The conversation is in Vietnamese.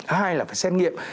hai là phải xem nghiệm